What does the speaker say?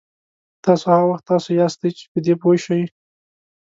تاسو هغه وخت تاسو یاستئ چې په دې پوه شئ.